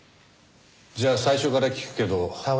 じゃあ最初から聞くけど。